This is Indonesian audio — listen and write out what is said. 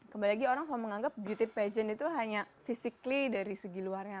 kebanyakan orang menganggap beauty pageant itu hanya fisik dari segi luarnya